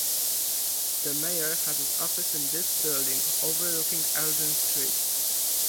The mayor has his office in this building, overlooking Elgin Street.